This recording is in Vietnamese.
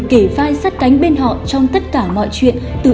khi biết tin mình mắc covid một mươi chín